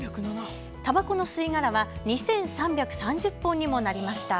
たばこの吸い殻は２３３０本にもなりました。